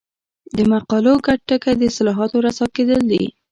د مقالو ګډ ټکی د اصطلاحاتو رسا کېدل دي.